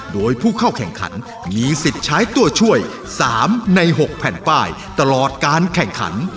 โดยผู้เข้าแข่งขันมีสิทธิ์ใช้ตัวช่วย๓ใน๖แผ่นป้ายตลอดการแข่งขัน